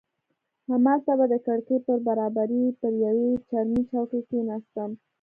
همالته به د کړکۍ پر برابري پر یوې چرمي چوکۍ کښېناستم.